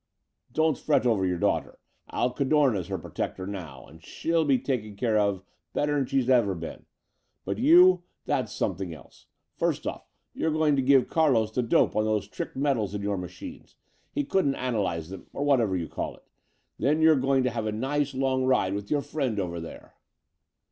"Don't fret over your daughter. Al Cadorna's her protector now, and she'll be taken care of better'n she's ever been. But you that's somethin' else again. First off, you're goin' to give Carlos the dope on these trick metals in your machines. He couldn't analyze 'em, or whatever you call it. Then you're goin' to have a nice long ride with your friend over there."